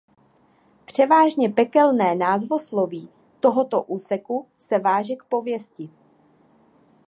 Převážně pekelné názvosloví tohoto úseku se váže k pověsti.